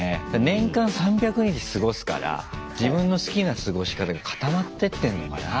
年間３００日過ごすから自分の好きな過ごし方が固まってってんのかな。